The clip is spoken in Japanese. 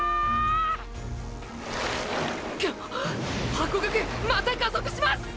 ハコガクまた加速します！！